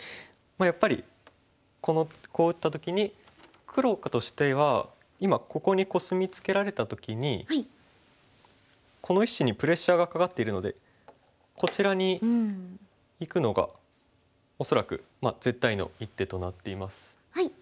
やっぱりこのこう打った時に黒としては今ここにコスミツケられた時にこの１子にプレッシャーがかかっているのでこちらにいくのが恐らく絶対の一手となっています。